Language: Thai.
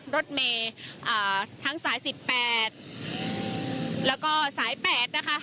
รถเมย์ทั้งสาย๑๘แล้วก็สาย๘นะคะ